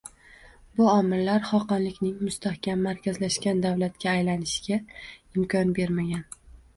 Bu omillar xoqonlikning mustahkam markazlashgan davlatga aylanishiga imkon bermagan.